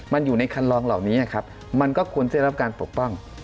มันอยู่ในคันลองเหล่านี้ครับมันก็ควรจะได้รับการปกป้อง